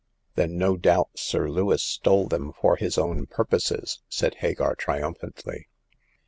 Then no doubt Sir Lewis stole them for his own purposes," said Hagar triumphantly.